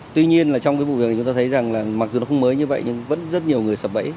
tuy nhiên trong vụ việc này chúng ta thấy rằng mặc dù nó không mới như vậy nhưng vẫn rất nhiều người sập bẫy